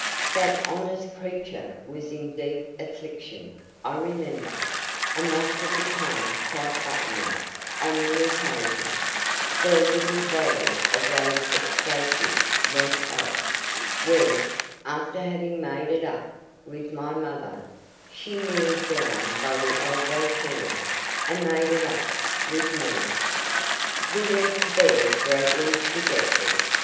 That honest creature was in deep affliction, I remember, and must have become quite buttonless on the occasion; for a little volley of those explosives went off, when, after having made it up with my mother, she kneeled down by the elbow chair, and made it up with me. We went to bed greatly dejected.